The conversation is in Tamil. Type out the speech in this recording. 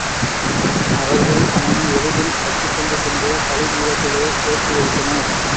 அவர்கள் அவனை எளிதில் கட்டிக்கொண்டு சென்று, பலி பீடத்திலே ஏற்றி வைத்தனர்.